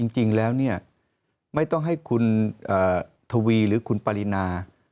จริงแล้วเนี่ยไม่ต้องให้คุณทวีหรือคุณปรินา